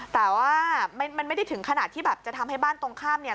แต่ว่ามันไม่ได้ถึงขนาดที่แบบจะทำให้บ้านตรงข้ามเนี่ย